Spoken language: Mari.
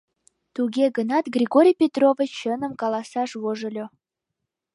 Туге гынат, Григорий Петрович чыным каласаш вожыльо.